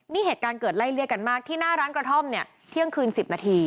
นี่เหตุการณ์เกิดไล่เลี่ยกันมากที่หน้าร้านกระท่อมเนี่ยเที่ยงคืน๑๐นาที